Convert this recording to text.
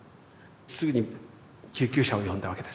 すぐに救急車を呼んだわけです。